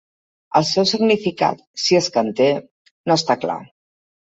El seu significat, si és que en té, no està clar.